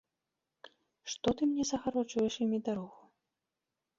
Што ты мне загараджваеш імі дарогу?